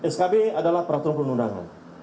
skb adalah peraturan perundangan